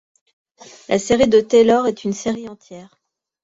La série de Taylor est une série entière.